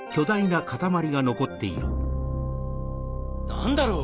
何だろう？